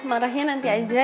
marahin nanti aja